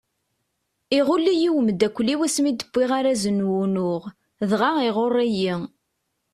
Iɣul-iyi umeddakel-iw asmi d-wwiɣ araz n unuɣ, dɣa iɣuṛṛ-iyi!